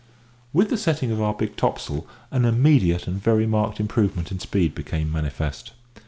With the setting of our big topsail an immediate and very marked improvement in speed became manifest.